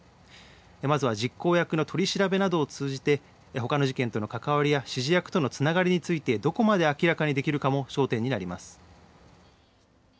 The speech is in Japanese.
まずは実行役の取り調べなどを通じてほかの事件との関わりや指示役とのつながりについてどこまで明らかにできるかも焦点になります。